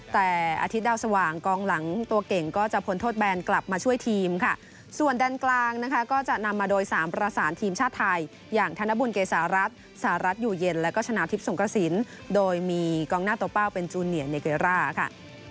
แต่อาทิตย์ดาวสว่างกองหลังตัวเก่งก็จะพ้นโทษแบนกลับมาช่วยทีมค่ะส่วนด้านกลางนะคะก็จะนำมาโดยสามประสานทีมชาติไทยอย่างธนบุญเกษารัฐสหรัฐสหรัฐอยู่เย็นแล้วก็ชนะทิพย์สงกระสินโดยมีกองหน้าตัวเป้าเป็นจูเนียเนเกร่าค่ะ